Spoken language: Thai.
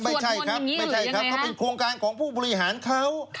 ไม่ใช่ครับไม่ใช่ครับเขาเป็นโครงการของผู้บริหารเขา